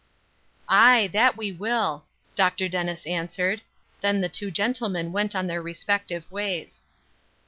"Aye, that we will," Dr. Dennis answered; then the two gentlemen went on their respective ways.